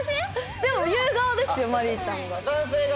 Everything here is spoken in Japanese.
でも言う側ですよマリーちゃんが。